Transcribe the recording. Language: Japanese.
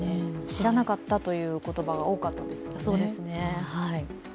知らなかったという言葉が多かったですからね。